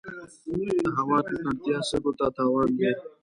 د هوا ککړتیا سږو ته تاوان دی.